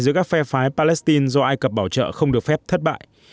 giữa các phe phái palestine do ai cập bảo trợ không được phép thất bại